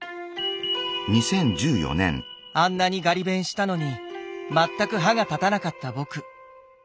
あんなにガリ勉したのに全く歯が立たなかった僕。